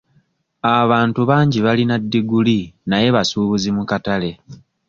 Abantu bangi balina ddiguli naye basuubuzi mu katale.